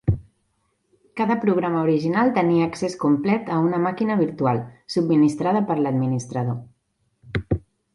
Cada programa original tenia accés complet a una "màquina virtual" subministrada per l'administrador.